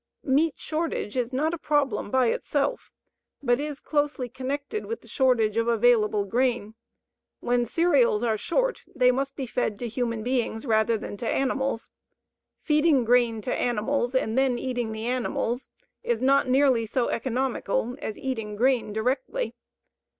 Meat shortage is not a problem by itself, but is closely connected with the shortage of available grain. When cereals are short, they must be fed to human beings rather than to animals. Feeding grain to animals and then eating the animals is not nearly so economical as eating grain directly.